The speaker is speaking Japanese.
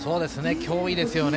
脅威ですよね。